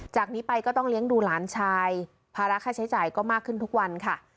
จากนี้ไปก็ต้องเลี้ยงดูหลานชายภาระค่าใช้จ่ายก็มากขึ้นทุกวันค่ะ